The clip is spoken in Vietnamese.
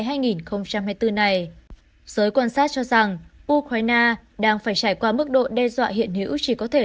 hè hai nghìn hai mươi bốn này giới quan sát cho rằng ukraine đang phải trải qua mức độ đe dọa hiện hữu chỉ có thể